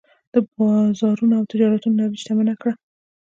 بازارونو او تجارتونو نړۍ شتمنه کړه.